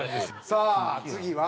さあ次は？